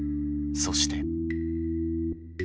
そして。